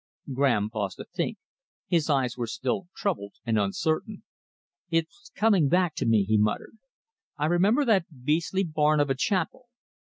Graham paused to think. His eyes were still troubled and uncertain. "It's coming back to me," he muttered. "I remember that beastly barn of a chapel.